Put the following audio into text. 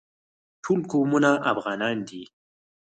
ټول قومونه افغانان دي